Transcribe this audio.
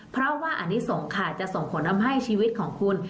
เพราะว่าอันนี้สงค่ะจะส่งขนมให้ชีวิตของคุณ